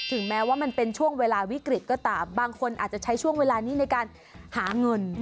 แม้ว่ามันเป็นช่วงเวลาวิกฤตก็ตามบางคนอาจจะใช้ช่วงเวลานี้ในการหาเงิน